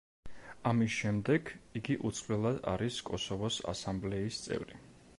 ამის შემდეგ, იგი უცვლელად არის კოსოვოს ასამბლეის წევრი.